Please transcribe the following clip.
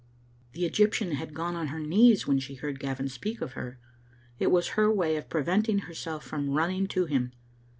The Egyptian had gone on her knees when she heard Gavin speak of her. It was her way of preventing her self from running to him.